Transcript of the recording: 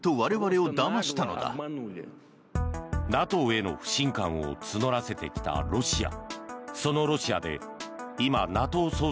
ＮＡＴＯへの不信感を募らせてきたロシア。